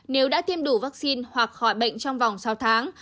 nếu đã tiêm đủ vaccine hoặc khỏi bệnh trong vòng sáu tháng